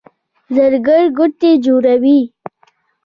زرګر ګوتې جوړوي.